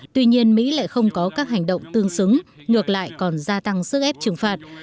tuy nhiên mỹ lại không có các hành động tương xứng ngược lại còn gia tăng sức ép trừng phạt